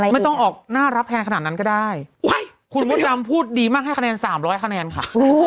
ไม่ต้องออกน่ารับแทนขนาดนั้นก็ได้คุณมดดำพูดดีมากให้คะแนน๓๐๐คะแนนค่ะ